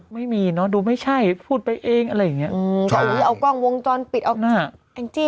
ไม่มีเนอะดูไม่ใช่พูดไปเองอะไรแบบนี้